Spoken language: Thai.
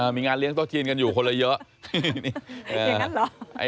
มีงานเลี้ยงโต๊ะจีนกันอยู่คนละเยอะ